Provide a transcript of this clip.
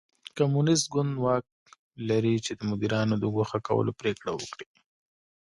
کمونېست ګوند واک لري چې د مدیرانو د ګوښه کولو پرېکړه وکړي.